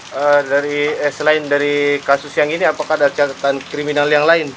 selain dari kasus yang ini apakah ada catatan kriminal yang lain